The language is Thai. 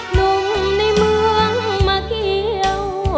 หนุ่มในเมืองมาเกี่ยว